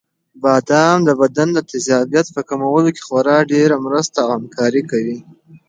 بادام د بدن د تېزابیت په کمولو کې خورا ډېره مرسته او همکاري کوي.